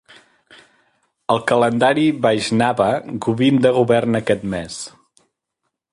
Al calendari Vaishnava, Govinda governa aquest mes.